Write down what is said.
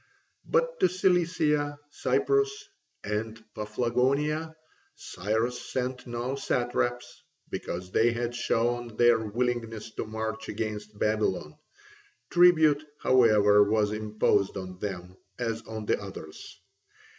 But to Cilicia, Cyprus, and Paphlagonia, Cyrus sent no satraps, because they had shown their willingness to march against Babylon; tribute, however, was imposed on them as on the others.